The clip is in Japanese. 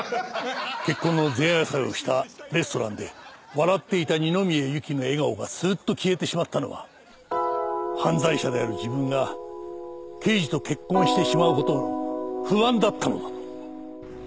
結婚の前夜祭をしたレストランで笑っていた二宮ゆきの笑顔がスーッと消えてしまったのは犯罪者である自分が刑事と結婚してしまう事が不安だったのだと。